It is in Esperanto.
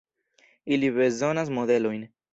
Ili bezonas modelojn.